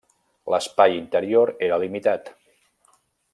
L'espai interior era limitat.